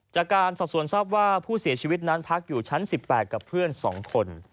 จากการสอบสวนทราบว่าผู้เสียชีวิตนั้นพักอยู่ชั้น๑๘กับเพื่อน๒คน